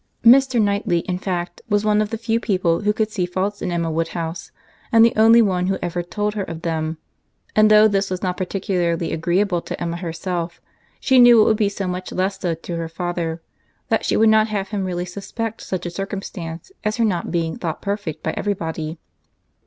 Mr. Knightley, in fact, was one of the few people who could see faults in Emma Woodhouse, and the only one who ever told her of them: and though this was not particularly agreeable to Emma herself, she knew it would be so much less so to her father, that she would not have him really suspect such a circumstance as her not being thought perfect by every body.